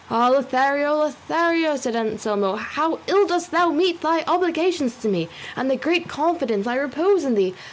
"Ah, Lothario, Lothario," said Anselmo, "how ill dost thou meet thy obligations to me, and the great confidence I repose in thee!